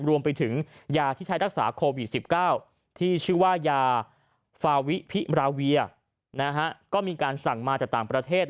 รวมไปถึงยาที่ใช้รักษาโควิด๑๙ที่ชื่อว่ายาฟาวิพิราเวียก็มีการสั่งมาจากต่างประเทศ